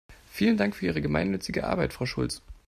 Vielen Dank für all die gemeinnützige Arbeit, Frau Schulz!